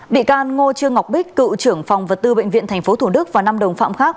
bị can ngô trương ngọc bích cựu trưởng phòng vật tư bệnh viện tp thủ đức và năm đồng phạm khác